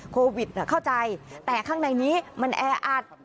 โควิดเข้าใจแต่ข้างในนี้มันแออัด